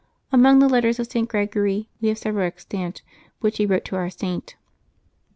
Among the letters of St. Gregory we have several extant which he wrote to our Saint. St.